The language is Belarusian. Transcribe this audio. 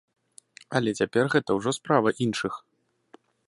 Але цяпер гэта ўжо справа іншых.